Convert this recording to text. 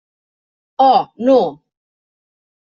Oh, no.